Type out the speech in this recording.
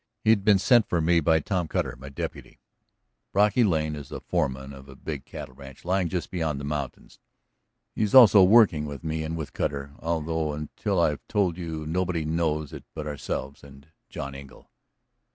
He had been sent for me by Tom Cutter, my deputy. Brocky Lane is foreman of a big cattle ranch lying just beyond the mountains; he is also working with me and with Cutter, although until I've told you nobody knows it but ourselves and John Engle.